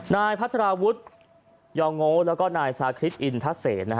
นายพัทราวุฒิยองโงแล้วก็นายชาคริสต์อินทัศน์